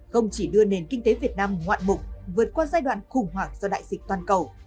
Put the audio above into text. không chỉ đưa nền kinh tế việt nam ngoạn mục vượt qua giai đoạn khủng hoảng do đại dịch toàn cầu